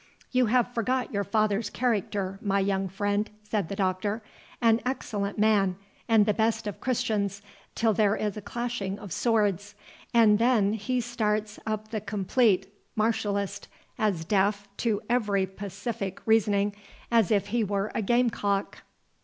"You have forgot your father's character, my young friend," said the Doctor; "an excellent man, and the best of Christians, till there is a clashing of swords, and then he starts up the complete martialist, as deaf to every pacific reasoning as if he were a game cock."